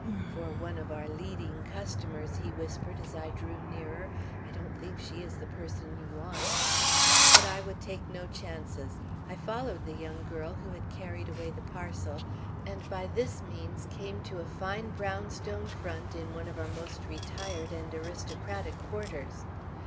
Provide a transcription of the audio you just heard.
'For one of our leading customers,' he whispered, as I drew nearer. 'I don't think she is the person you want.' But I would take no chances. I followed the young girl who had carried away the parcel, and by this means came to a fine brownstone front in one of our most retired and aristocratic quarters.